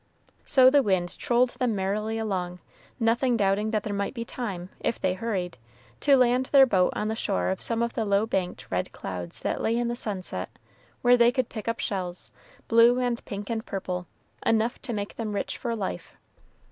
So the wind trolled them merrily along, nothing doubting that there might be time, if they hurried, to land their boat on the shore of some of the low banked red clouds that lay in the sunset, where they could pick up shells, blue and pink and purple, enough to make them rich for life.